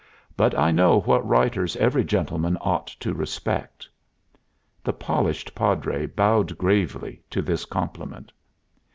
But I know what writers every gentleman ought to respect." The polished Padre bowed gravely to this compliment.